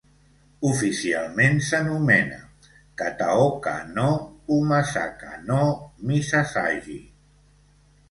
Oficialment s'anomena "Kataoka no Umasaka no misasagi".